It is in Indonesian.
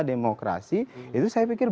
demokrasi itu saya pikir